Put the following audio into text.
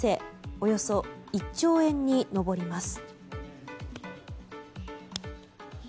およそ１兆円に上ります。